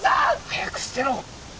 早く捨てろ！